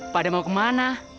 pada mau kemana